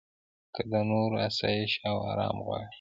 که د نورو اسایش او ارام غواړې.